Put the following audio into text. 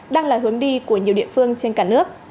đang là hướng đi của nhiều địa phương trên cả nước